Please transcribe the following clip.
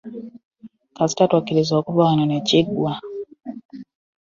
Kasita twakkiriza okuva wano ne kiggwa.